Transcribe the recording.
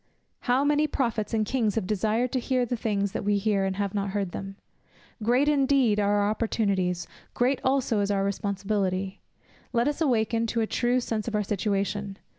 "How many prophets and kings have desired to hear the things that we hear, and have not heard them!" Great indeed are our opportunities, great also is our responsibility. Let us awaken to a true sense of our situation.